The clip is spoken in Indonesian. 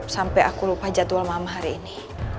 sampai aku lupa jadwal malam hari ini